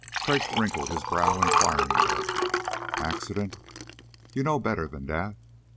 Crag wrinkled his brow inquiringly. "Accident?" "You know better than that.